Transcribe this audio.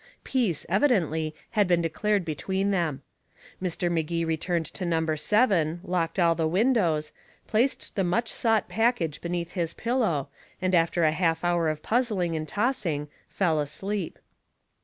Peace, evidently, had been declared between them. Mr. Magee returned to number seven, locked all the windows, placed the much sought package beneath his pillow, and after a half hour of puzzling and tossing, fell asleep.